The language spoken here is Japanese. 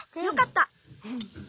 よかった。